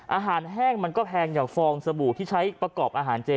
อาหารแห้งมันก็แพงอย่างฟองสบู่ที่ใช้ประกอบอาหารเจ